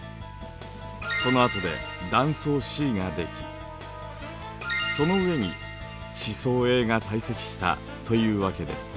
そのあとで断層Ｃができその上に地層Ａが堆積したというわけです。